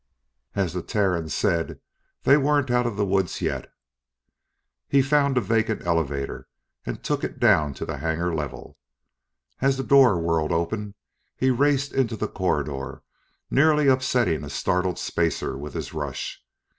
As the Terrans said, they weren't out of the woods yet. He found a vacant elevator and took it down to the hangar level. As the door whirled open, he raced into the corridor, nearly upsetting a startled spacer with his rush.